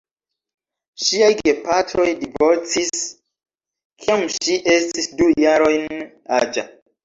Ŝiaj gepatroj divorcis, kiam ŝi estis du jarojn aĝa.